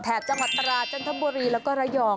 จังหวัดตราจันทบุรีแล้วก็ระยอง